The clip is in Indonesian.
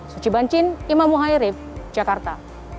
suci bancin imam muhairib jakarta